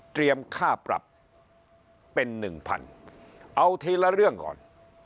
ค่าปรับเป็นหนึ่งพันเอาทีละเรื่องก่อน